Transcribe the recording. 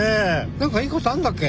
何かいいことあるんだっけ？